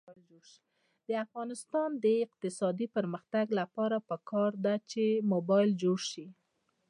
د افغانستان د اقتصادي پرمختګ لپاره پکار ده چې موبلایل جوړ شي.